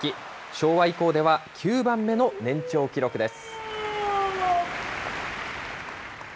昭和以降では、９番目の年長記録です。